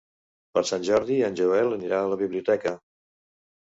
Per Sant Jordi en Joel anirà a la biblioteca.